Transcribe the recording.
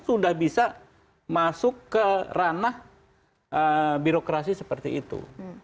sudah bisa masuk ke ranah birokrasi seperti itu